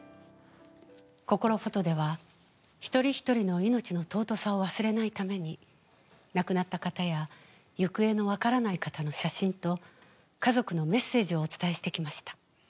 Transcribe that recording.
「こころフォト」では一人一人の命の尊さを忘れないために亡くなった方や行方の分からない方の写真と家族のメッセージをお伝えしてきました。